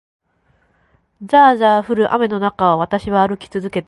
ざあざあ降る雨の中を、私は歩き続けた。